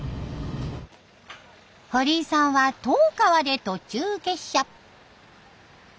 堀井さんは十川で途中下車。